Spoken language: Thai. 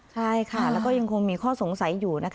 ใช่ค่ะแล้วก็ยังคงมีข้อสงสัยอยู่นะคะ